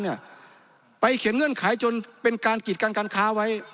ไข่ไปเขียนเงื่อนไขจนเป็นการกิจการบันการค้า